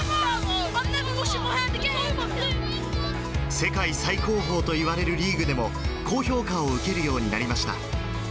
世界最高峰といわれるリーグでも、高評価を受けるようになりました。